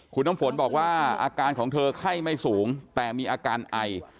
คุณน้ำฝนบอกว่าอาการของเธอไข้ไม่สูงแต่มีอาการไอ